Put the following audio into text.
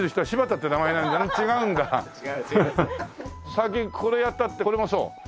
最近これやったってこれもそう？